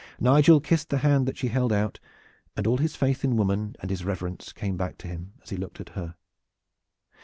Nigel kissed the hand that she held out, and all his faith in woman and his reverence came back to him as he looked at her.